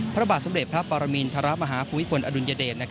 พระบาทสำเร็จพระปรมินตรฐรมาฮภุวิษฎีอดุลยเดช